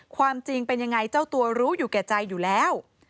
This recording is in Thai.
ความจริงเป็นยังไงเจ้าตัวรู้อยู่แก่ใจอยู่แล้ว